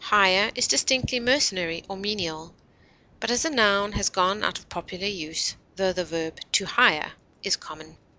Hire is distinctly mercenary or menial, but as a noun has gone out of popular use, tho the verb to hire is common.